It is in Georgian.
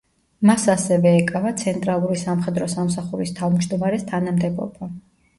მას ასევე ეკავა ცენტრალური სამხედრო სამსახურის თავმჯდომარეს თანამდებობა.